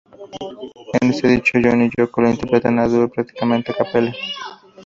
En este disco John y Yoko la interpretan a dúo prácticamente a capela.